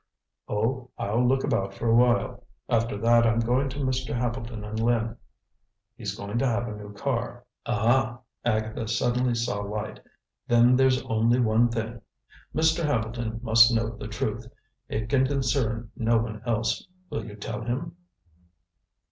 "Oh, I'll look about for a while. After that I'm going to Mr. Hambleton in Lynn. He's going to have a new car." "Ah!" Agatha suddenly saw light. "Then there's only one thing. Mr. Hambleton must know the truth. It can concern no one else. Will you tell him?"